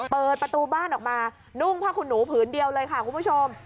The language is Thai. เปิดประตูบ้านออกมานุ่งผ้าขุนหนูผืนเดียวเลยค่ะคุณผู้ชม